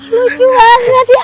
lucu banget ya